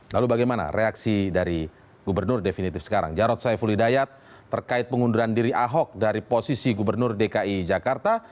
lalu bagaimana reaksi dari gubernur definitif sekarang jarod saiful hidayat terkait pengunduran diri ahok dari posisi gubernur dki jakarta